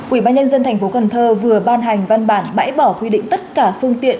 ủy ban nhân dân thành phố cần thơ vừa ban hành văn bản bãi bỏ quy định tất cả phương tiện